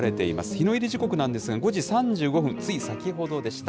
日の入り時刻なんですが、５時３５分、つい先ほどでした。